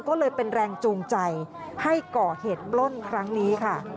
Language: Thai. ก็เลยเป็นแรงจูงใจให้ก่อเหตุปล้นครั้งนี้ค่ะ